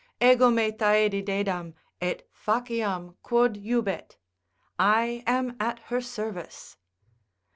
Ego me Thaidi dedam; et faciam quod jubet, I am at her service.